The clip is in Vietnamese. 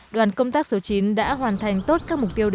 đoàn công tác số chín đã hoàn thành tốt các mục tiêu